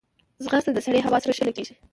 ځغاسته د سړې هوا سره ښه لګیږي